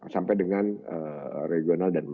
sampai dengan regional dan